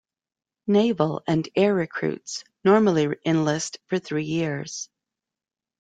Naval and air recruits normally enlist for three years.